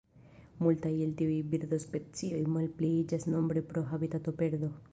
Multaj el tiuj birdospecioj malpliiĝis nombre pro habitatoperdo.